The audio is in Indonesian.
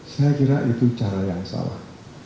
saya kira itu cara yang salah